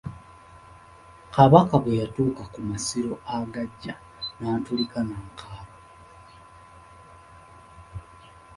Kabaka bwe yatuuka ku masiro agaggya n'atulika n'akaaba.